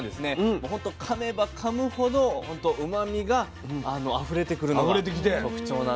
もうほんとかめばかむほどほんとうまみがあふれてくるのが特徴なんですよ。